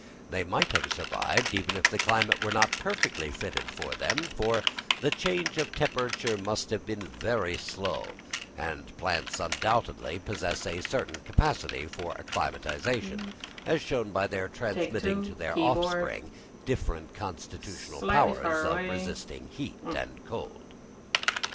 They might have survived, even if the climate was not perfectly fitted for them, for the change of temperature must have been very slow, and plants undoubtedly possess a certain capacity for acclimatisation, as shown by their transmitting to their offspring different constitutional powers of resisting heat and cold.